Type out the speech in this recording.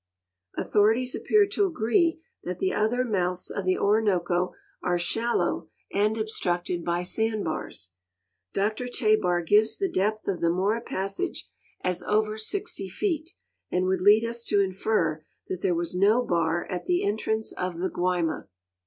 Authorities aj^pear to agree that the other mouths of the Orinoco are shallow and obstructed by sand bars. Dr Tebar gives the depth of the Mora passage as over 60 feet, and would lead us to infer that there was no bar at the entrance of the Guaima.